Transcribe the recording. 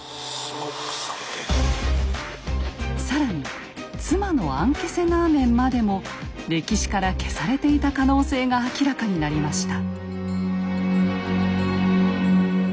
更に妻のアンケセナーメンまでも歴史から消されていた可能性が明らかになりました。